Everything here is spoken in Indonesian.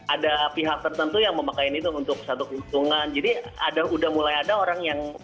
ada pihak tertentu yang memakai ini untuk satu keuntungan jadi ada udah mulai ada orang yang